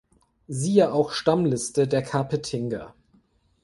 Siehe auch Stammliste der Kapetinger